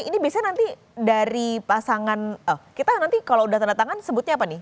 ini biasanya nanti dari pasangan kita nanti kalau udah tanda tangan sebutnya apa nih